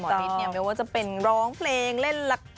ไม่ว่าจะเป็นร้องเพลงเล่นละคร